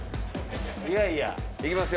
いやいや。いきますよ。